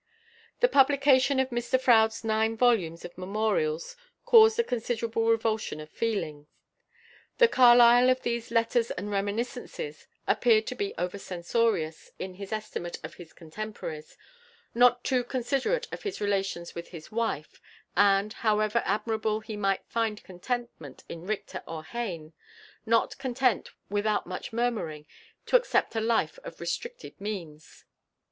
The publication of Mr Froude's nine volumes of memorials caused a considerable revulsion of feeling. The Carlyle of these "Letters" and "Reminiscences" appeared to be over censorious in his estimate of his contemporaries, not too considerate in his relations with his wife, and, however admirable he might find contentment in Richter or Heyne, not content without much murmuring to accept a life of restricted means.